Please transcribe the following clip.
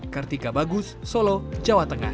kartika bagus solo jawa tengah